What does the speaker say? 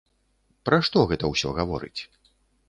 Пра што гэта ўсё гаворыць?